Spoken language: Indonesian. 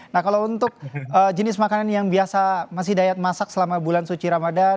nah kalau untuk jenis makanan yang biasa masih dayat masak selama bulan suci ramadan